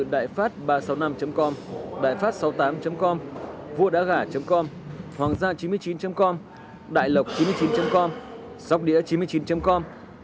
đại phát ba trăm sáu mươi năm com đại phát sáu mươi tám com vuađãgả com hoàng gia chín mươi chín com đại lộc chín mươi chín com